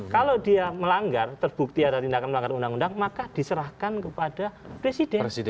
kalau dia melanggar terbukti ada tindakan melanggar undang undang maka diserahkan kepada presiden